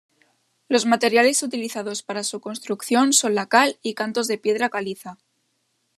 Los materiales utilizados para su construcción son la cal y cantos de piedra caliza.